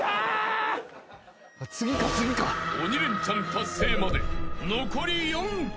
［鬼レンチャン達成まで残り４曲］